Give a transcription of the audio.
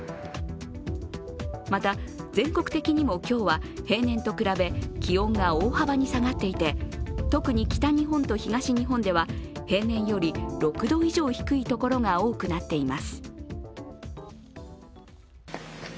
また全国的にも今日は平年と比べ気温が大幅に下がっていて特に北日本と東日本では平年より６度以上低いところが多くなっています。